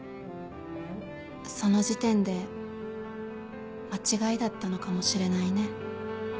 その時点で間違いだったのかもしれないね